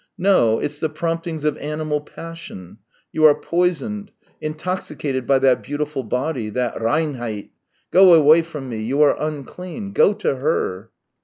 " No; it's the prompting of animal passion ! You are poisoned, intoxicated by that beautiful body, that reinheit ! Go away from me; you are unclean ! Go to her